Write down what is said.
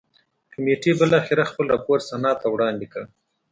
کمېټې بالاخره خپل راپور سنا ته وړاندې کړ.